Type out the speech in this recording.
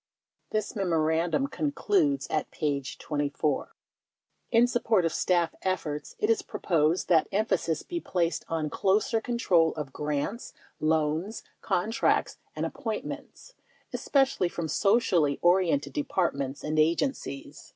This memorandum concludes (at p. 24) : In support of staff efforts it is proposed that emphasis be placed on closer control of grants, loans, contracts and ap pointments — especially from socially oriented Departments and agencies.